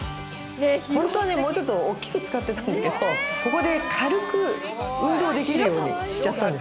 ホントはもうちょっと大きく使ってたんだけどここで軽く運動できるようにしちゃったんです。